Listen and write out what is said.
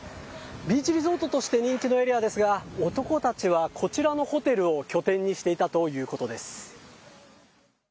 ビーチリゾートとして人気のエリアですが、男たちはこちらのホテルを拠点にしていたということです。